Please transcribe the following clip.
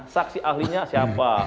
saksi ahlinya siapa